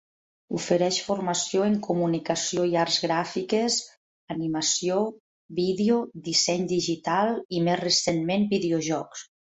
Ofereix formació en comunicació i arts gràfiques, animació, vídeo, disseny digital i, més recentment, videojocs.